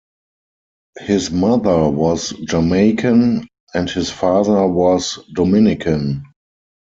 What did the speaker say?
His mother was Jamaican and his father was Dominican.